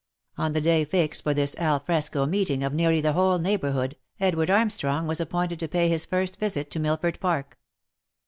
On the day fixed for this at fresco meeting of nearly the whole neighbourhood, Edward Armstrong was appointed to pay his first visit to Millford Park.